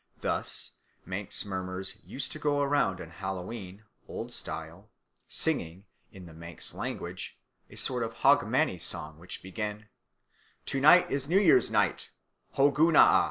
Thus Manx mummers used to go round on Hallowe'en (Old Style), singing, in the Manx language, a sort of Hogmanay song which began "To night is New Year's Night, _Hogunnaa!